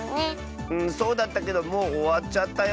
うんそうだったけどもうおわっちゃったよ。